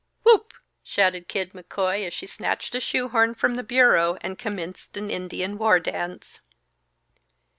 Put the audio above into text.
"Whoop!" shouted Kid McCoy, as she snatched a shoe horn from the bureau and commenced an Indian war dance.